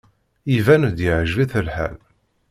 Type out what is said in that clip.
Iban-d yeɛjeb-it lḥal.